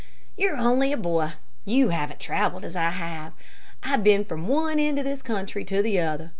You're only a boy. You haven't traveled as I have. I've been from one end of this country to the other.